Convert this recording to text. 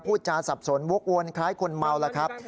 พูดจาสับสนวกวนคล้ายคนเมาล่ะครับ